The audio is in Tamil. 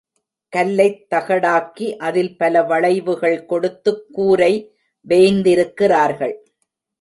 கல்லைத் தகடாக்கி அதில் பல வளைவுகள் கொடுத்துக் கூரை வேய்ந்திருக்கிறார்கள்.